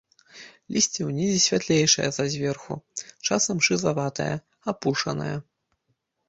Лісце ўнізе святлейшае за зверху, часам шызаватае, апушанае.